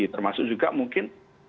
jadi termasuk juga mungkin ada